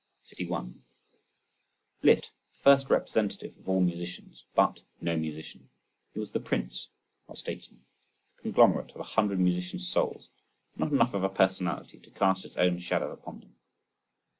61. Liszt, the first representative of all musicians, but no musician. He was the prince, not the statesman. The conglomerate of a hundred musicians' souls, but not enough of a personality to cast his own shadow upon them.